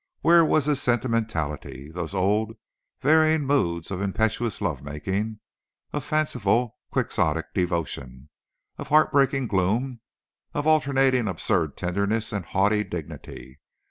Where was his sentimentality—those old, varying moods of impetuous love making, of fanciful, quixotic devotion, of heart breaking gloom, of alternating, absurd tenderness and haughty dignity?